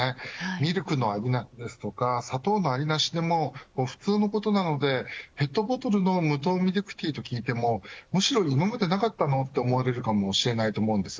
ミルクのありなしですとか砂糖のありなしでも普通のことなのでペットボトルの無糖ミルクティーと聞いてもむしろ今までなかったのと思われるかもしれないと思うんです。